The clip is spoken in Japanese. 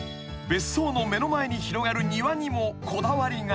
［別荘の目の前に広がる庭にもこだわりが］